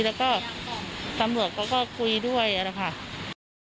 แล้วก็ตำรวจเขาก็คุยด้วยนะคะ